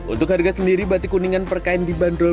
untuk harga sendiri batik kuningan perkain dibanderol